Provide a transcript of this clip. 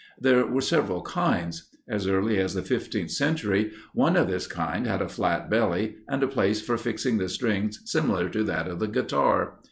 There were several kinds. As early as the fifteenth century, one of this kind had a flat belly, and a place for fixing the strings similar to that of the Guitar.